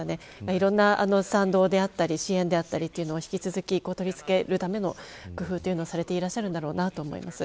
いろんな賛同であったり支援であったりというのは引き続き、取り付けるための工夫をされていらっしゃる